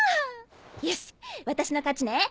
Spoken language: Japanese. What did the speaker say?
よし私の勝ちね。